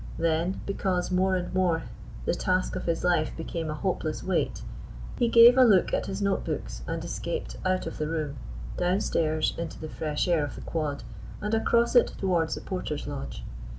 Then, because more and more the task of his life became a hopeless weight, he gave a look at his notebooks and escaped out of the room, downstairs into the fresh air of the quad, and across it towards the porter's lodge.